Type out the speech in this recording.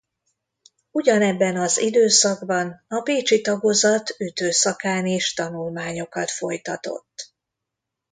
Ugyanebben az időszakban a pécsi tagozat ütő szakán is tanulmányokat folytatott.